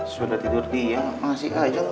sudah tidur dia masih aja